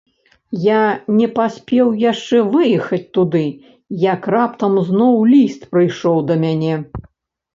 Я не паспеў яшчэ выехаць туды, як раптам зноў ліст прыйшоў да мяне.